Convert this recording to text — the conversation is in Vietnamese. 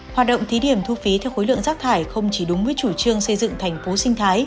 hoạt động thí điểm thu phí theo khối lượng rác thải không chỉ đúng với chủ trương xây dựng thành phố sinh thái